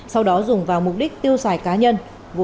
sau đó dùng vào mục đích tiêu xài cá nhân